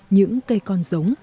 những cây con giống